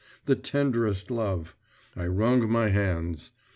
the tenderest love. I wrung my hands.